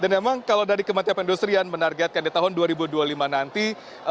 memang kalau dari kementerian perindustrian menargetkan di tahun dua ribu dua puluh lima nanti